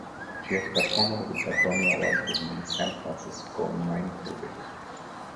She has performed with the Tony Award winning San Francisco Mime Troupe.